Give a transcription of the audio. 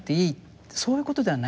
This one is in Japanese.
そういうことではないんだと。